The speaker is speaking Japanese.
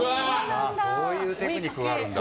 そういうテクニックがあるんだ。